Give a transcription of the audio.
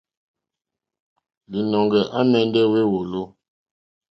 Līnɔ̄ŋgɛ̄ à mɛ̀ndɛ́ wé wòló.